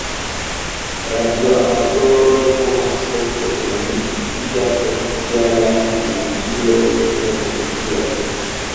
Radioamatoroj povas ofte komuniki, kiam oficialaj komunikiloj ne funkcias.